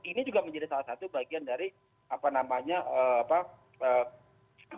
ini juga menjadi salah satu bagian dari apa namanya